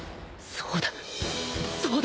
そうだ！